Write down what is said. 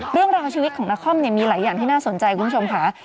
เรื่องราวชีวิตของนครมีหลายอย่างที่น่าสนใจคุณผู้ชมค่ะ